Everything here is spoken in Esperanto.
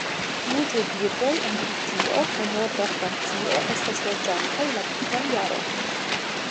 Multaj birdoj en Britio kaj norda Francio estas loĝantaj la tutan jaron.